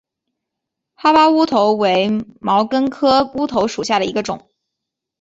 哈巴乌头为毛茛科乌头属下的一个种。